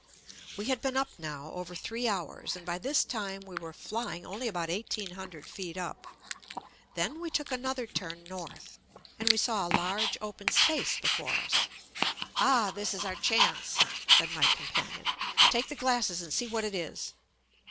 We had been up now over three hours, and by this time we were flying only about eighteen hun dred feet up. Then we took another turn North and we saw a large open space before us. "Ah, this is our chance," said my companion. "Take the glasses and see what it is."